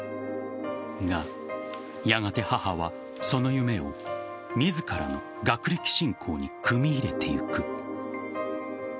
が、やがて母はその夢を自らの学歴信仰に組み入れていく。